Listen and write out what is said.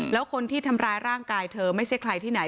แล้วคนที่ทำร้ายร่างกายเธอไม่ใช่ใครที่ไหน